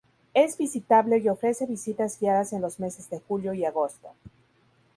Es visitable y ofrece visitas guiadas en los meses de julio y agosto.